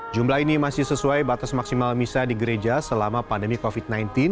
jumlah ini masih sesuai batas maksimal misa di gereja selama pandemi covid sembilan belas